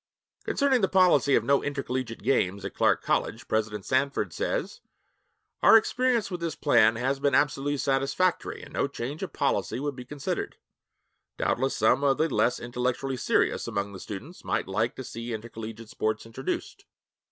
Concerning the policy of no intercollegiate games at Clark College, President Sanford says: 'Our experience with this plan has been absolutely satisfactory and no change of policy would be considered. Doubtless some of the less intellectually serious among the students might like to see intercollegiate sports introduced.